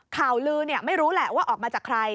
ข่าวลือไม่รู้แหละว่าออกมาจากใคร